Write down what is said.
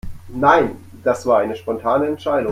Nein, das war eine spontane Entscheidung.